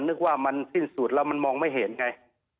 นึกว่ามันสิ้นสุดแล้วมันมองไม่เห็นไง